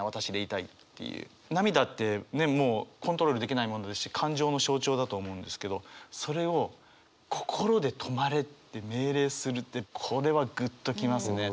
涙ってねっもうコントロールできないものだし感情の象徴だと思うんですけどそれを「心でとまれ」って命令するってこれはグッと来ますね。